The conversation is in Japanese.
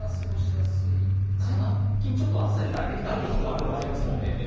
最近、ちょっと暑さに慣れてきたぶんもあると思うんですけど。